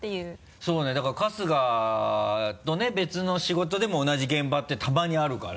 そうねだから春日とね別の仕事でも同じ現場ってたまにあるから。